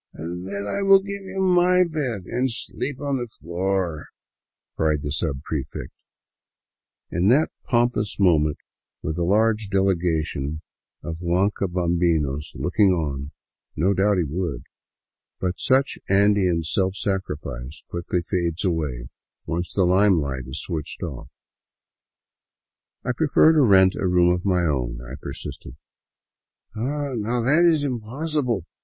" Then I will give you my bed and sleep ov the floor !" cried the sub prefect. 230 THE WILDS OF NORTHERN PERU In that pompous moment, with a large delegation of huancabambinos looking on, no doubt he would, but such Andean self sacrifice quickly fades away, once the limelight is switched off. " I prefer to rent a room of my own,'* I persisted. " Ah, now that is impossible.